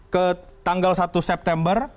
ke tanggal satu september